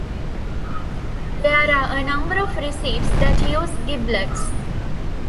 There are a number of recipes that use giblets.